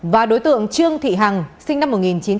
và đối tượng trương thị hằng sinh năm một nghìn chín trăm sáu mươi năm